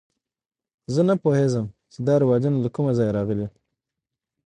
زه نه پوهېږم چې دا رواجونه له کومه ځایه راغلي.